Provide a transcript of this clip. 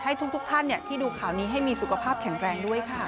ให้ทุกท่านที่ดูข่าวนี้ให้มีสุขภาพแข็งแรงด้วยค่ะ